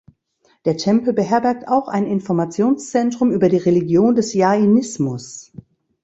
Der Tempel beherbergt auch ein Informationszentrum über die Religion des Jainismus.